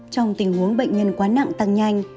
trong tình huống bệnh nhân quá nặng tăng nhanh